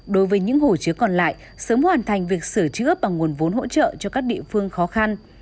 đối với những hồ chứa còn lại sớm hoàn thành việc sửa chữa bằng nguồn vốn hỗ trợ cho các địa phương khó khăn